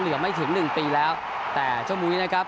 เหลือไม่ถึง๑ปีแล้วแต่เจ้ามุยนะครับ